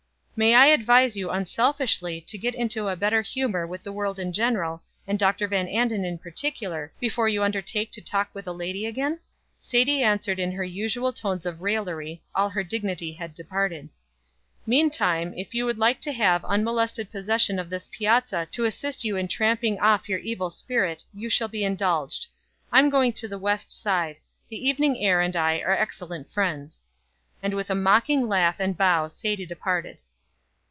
"May I advise you unselfishly to get into a better humor with the world in general, and Dr. Van Anden in particular, before you undertake to talk with a lady again?" Sadie answered in her usual tones of raillery; all her dignity had departed. "Meantime, if you would like to have unmolested possession of this piazza to assist you in tramping off your evil spirit, you shall be indulged. I'm going to the west side. The evening air and I are excellent friends." And with a mocking laugh and bow Sadie departed.